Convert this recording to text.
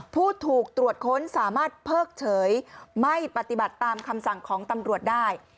ผู้ถูกตรวจค้นสามารถเพิกเฉยไม่ปฏิบัติตามคำสั่งของตำรวจได้